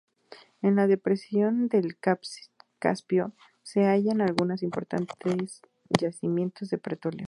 En la depresión del Caspio se hallan algunos importantes yacimientos de petróleo.